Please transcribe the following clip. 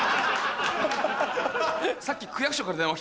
さっき。